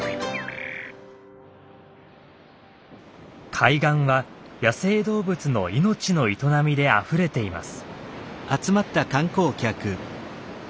海岸は野生動物の命の営みであふれています。